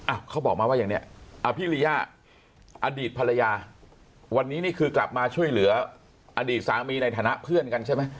เขาบอกมาว่าอย่างเนี้ยอ่าพี่ลีย่าอดีตภรรยาวันนี้นี่คือกลับมาช่วยเหลืออดีตสามีในฐานะเพื่อนกันใช่ไหม